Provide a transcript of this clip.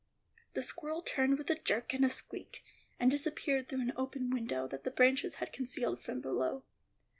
The squirrel turned with a jerk and a squeak, and disappeared through an open window that the branches had concealed from below.